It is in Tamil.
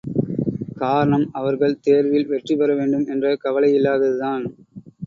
காரணம், அவர்கள் தேர்வில் வெற்றி பெற வேண்டும் என்ற கவலை இல்லாததுதான்!